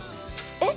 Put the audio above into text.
えっ！？